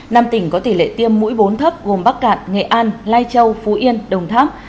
năm tỉnh có tỷ lệ tiêm mũi bốn thấp gồm bắc cạn nghệ an lai châu phú yên đồng tháp